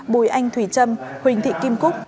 bùi anh thùy trâm huỳnh thị kim cúc